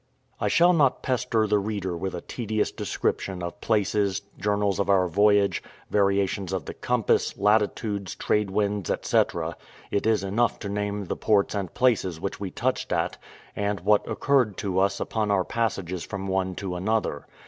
I shall not pester the reader with a tedious description of places, journals of our voyage, variations of the compass, latitudes, trade winds, &c. it is enough to name the ports and places which we touched at, and what occurred to us upon our passages from one to another.